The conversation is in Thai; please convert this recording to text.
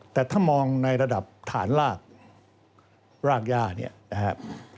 แต่ถ้ามองในระดับฐานรากรากย่าเนี่ยนะครับ